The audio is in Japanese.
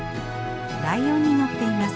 ライオンに乗っています。